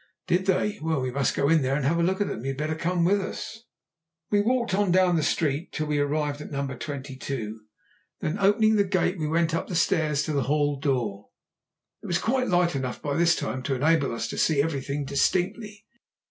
"Did they! Well, we must go in there and have a look at them. You had better come with us." We walked on down the street till we arrived at No. 22. Then opening the gate we went up the steps to the hall door. It was quite light enough by this time to enable us to see everything distinctly.